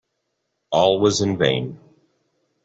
All was in vain.